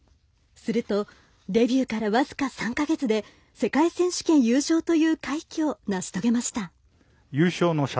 すると、デビューから僅か３か月で世界選手権優勝という快挙を成し遂げました。